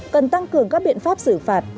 cần tăng cường các biện pháp xử phạt